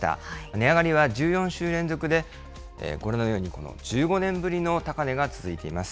値上がりは１４週連続で、このように１５年ぶりの高値が続いています。